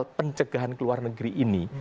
dalam hal pencegahan ke luar negeri ini